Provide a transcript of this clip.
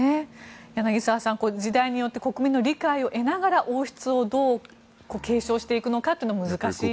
柳澤さん、時代によって国民の理解を得ながら王室をどう継承していくのかというのは難しいですね。